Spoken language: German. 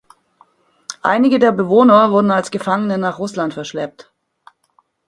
Einige der Bewohner wurden als Gefangene nach Russland verschleppt.